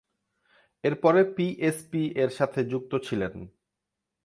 এরপরে P S পি-এর সাথে যুক্ত ছিলেন।